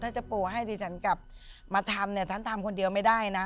ถ้าจะปู่ให้ดิฉันกลับมาทำเนี่ยฉันทำคนเดียวไม่ได้นะ